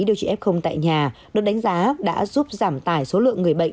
điều trị f tại nhà được đánh giá đã giúp giảm tải số lượng người bệnh